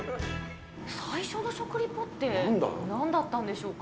最初の食リポってなんだったんでしょうか。